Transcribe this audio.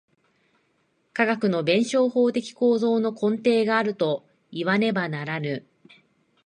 科学の弁証法的構造の根底があるといわねばならぬ。